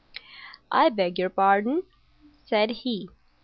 "I beg your pardon," said he.